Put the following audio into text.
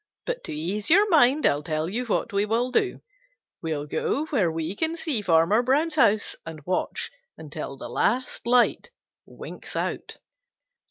But to ease your mind, I'll tell you what we will do; we'll go where we can see Farmer Brown's house and watch until the last light winks out."